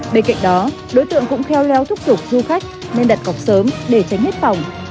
bên cạnh đó đối tượng cũng kheo leo thúc giục du khách nên đặt cọc sớm để tránh hết phòng